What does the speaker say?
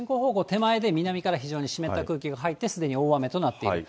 手前で南から非常に湿った空気が入って、すでに大雨となっている。